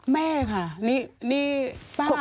แม่ค่ะนี่ป้าไม่รู้